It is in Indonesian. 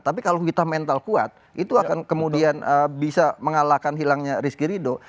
tapi kalau kita mental kuat itu akan kemudian bisa mengalahkan hilangnya rizky ridho